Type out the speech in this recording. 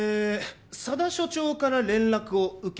佐田所長から連絡を受け